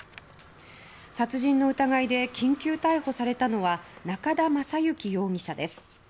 殺人の疑いで緊急逮捕されたのは中田正順容疑者です。